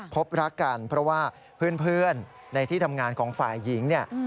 พบรักกันเพราะว่าเพื่อนในที่ทำงานของฝ่ายหญิงเนี่ย